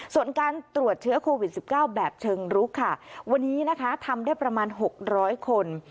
ส่วนการตรวจเชื้อโควิด๑๙แบบเชิงรุกค่ะวันนี้นะคะทำได้ประมาณ๖๐๐คน